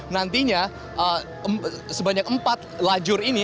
nantinya sebanyak empat lajur ini